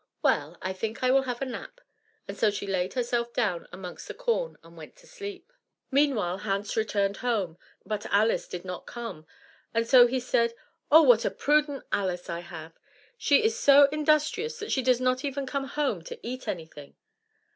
Well, I think I will have a nap!" and so she laid herself down amongst the corn, and went to sleep. Meanwhile Hans returned home, but Alice did not come, and so he said, "Oh, what a prudent Alice I have! She is so industrious that she does not even come home to eat anything."